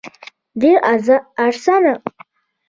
ډېر اسان ورزشونه دي -